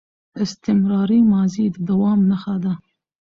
استمراري ماضي د دوام نخښه ده.